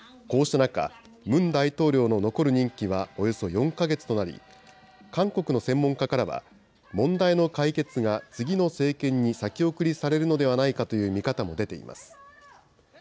こうした中、ムン大統領の残る任期はおよそ４か月となり、韓国の専門家からは問題の解決が次の政権に先送りされるのではないかという見方も出ています。